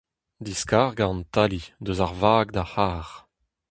Diskargañ an tali, eus ar vag d'ar c'harr.